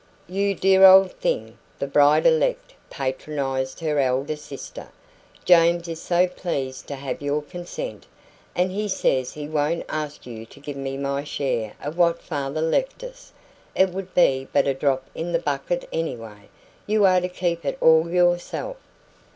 "You dear old thing!" the bride elect patronised her elder sister. "James is so pleased to have your consent, and he says he won't ask you to give me my share of what father left us it would be but a drop in the bucket anyway; you are to keep it all yourself."